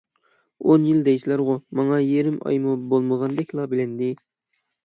ئون يىل دەيسىلەرغۇ، ماڭا يېرىم ئايمۇ بولمىغاندەكلا بىلىندى.